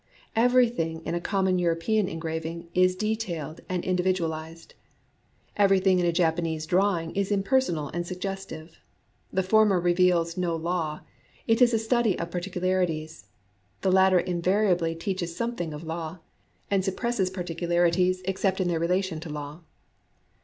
Everything in a common European engraving is detailed and individ 114 ABOUT FACES IN JAPANESE ART ualized. Everything in a Japanese drawing is impersonal and suggestive. The former reveals no law : it is a study of particularities. The latter invariably teaches something of law, and suppresses particularities except in their relation to law.